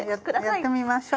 やってみましょう。